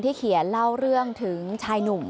เขียนเล่าเรื่องถึงชายหนุ่ม